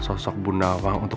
harusnya cuma guna